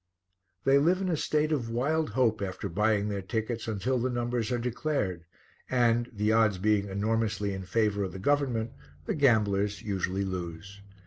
They live in a state of wild hope after buying their tickets until the numbers are declared and, the odds being enormously in favour of the government, the gamblers usually lose.